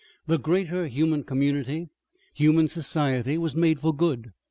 The greater human community, human society, was made for good.